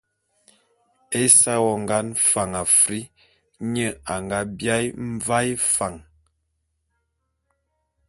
Ésa wongan Fan Afr, nye a nga biaé Mvaé Fan.